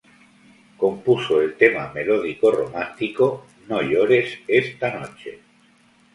Compuso el tema melódico romántico "No llores esta noche".